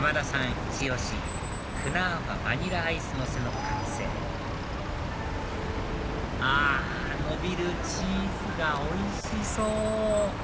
イチ押しクナーファバニラアイスのせの完成あのびるチーズがおいしそう！